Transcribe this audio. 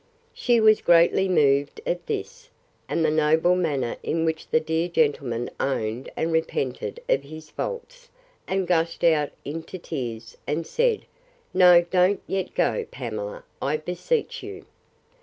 She was greatly moved at this, and the noble manner in which the dear gentleman owned and repented of his faults; and gushed out into tears, and said, No, don't yet go, Pamela, I beseech you.